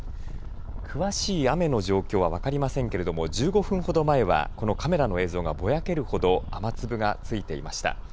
詳しい雨の状況は分かりませんけれども１５分ほど前はこのカメラの映像がぼやけるほど雨粒がついていました。